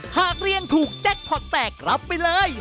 หากเรียนถูกแจ็คพอร์ตแตกรับไปเลย